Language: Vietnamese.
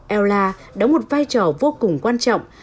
ella đóng một vai trò vô cùng quan trọng